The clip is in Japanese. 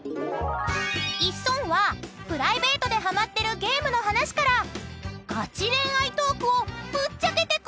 ［イッソンはプライベートでハマってるゲームの話からガチ恋愛トークをぶっちゃけてくれたよ！］